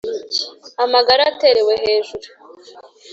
amagara aterewe hejuru